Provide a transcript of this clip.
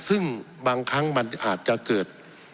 ซึ่งบางครั้งมันอาจจะเกิด